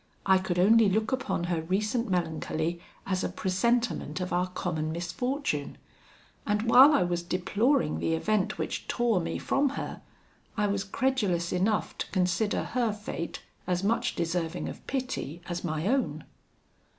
I could only look upon her recent melancholy as a presentiment of our common misfortune; and while I was deploring the event which tore me from her, I was credulous enough to consider her fate as much deserving of pity as my own.